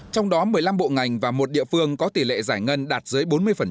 trong đó một mươi năm bộ ngành và một địa phương có tỷ lệ giải ngân đạt dưới bốn mươi